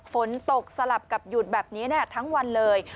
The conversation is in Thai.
ฝนตกสลับกับหยุดแบบนี้ทั้งวันเลย